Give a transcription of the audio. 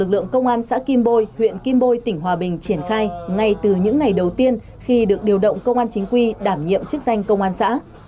công an xã kim bôi huyện kim bôi tỉnh hòa bình triển khai ngay từ những ngày đầu tiên khi được điều động công an chính quy đảm nhiệm chức danh công an xã